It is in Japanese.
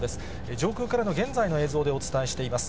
上空からの現在の映像でお伝えしています。